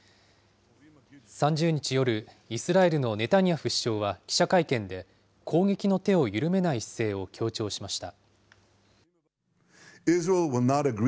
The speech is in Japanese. ３０日夜、イスラエルのネタニヤフ首相は記者会見で、攻撃の手を緩めない姿勢を強調しました。